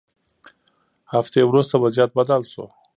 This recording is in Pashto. هفتې وروسته وضعیت بدل شو.